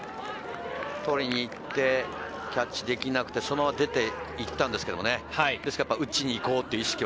取りに行ってキャッチできなくて、出て行ったんですけど、やっぱり打ちに行こうという意識は